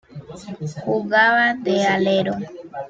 Jugaba de alero.